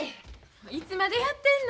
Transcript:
いつまでやってんの。